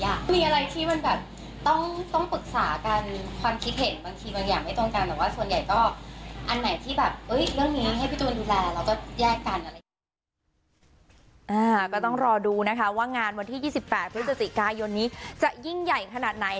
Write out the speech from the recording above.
มันมีอะไรที่มันแบบต้องปรึกษากันความคิดเห็นบางทีมันอย่างไม่ตรงกัน